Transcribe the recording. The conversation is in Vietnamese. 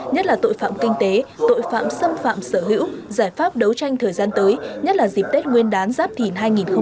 nhất là tội phạm kinh tế tội phạm xâm phạm sở hữu giải pháp đấu tranh thời gian tới nhất là dịp tết nguyên đán giáp thìn hai nghìn hai mươi bốn